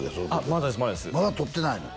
まだ取ってないの？